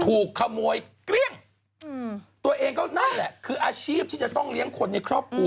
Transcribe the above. ถูกขโมยเกลี้ยงอืมตัวเองก็นั่นแหละคืออาชีพที่จะต้องเลี้ยงคนในครอบครัว